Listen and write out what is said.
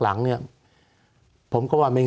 สวัสดีครับทุกคน